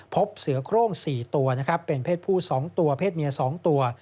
พบเสือโครง๔ตัวนะครับเป็นเพศผู้๒ตัวเพศเมีย๒ตัว